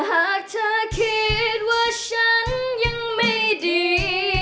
หากเธอคิดว่าฉันยังไม่ดี